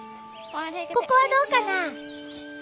ここはどうかな？